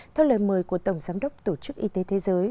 theo lời mời của tổng giám đốc tổ chức y tế thế giới